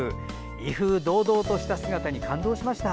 威風堂々とした姿に感動しました。